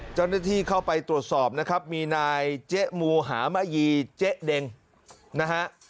เจ้าหน้าที่เข้าไปตรวจสอบนะครับมีนายเจ๊มูหามะยีเจ๊เด็งนะฮะ